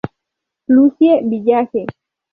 Lucie Village.